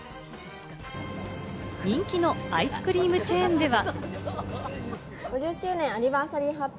人気のアイスクリームチェーンでは。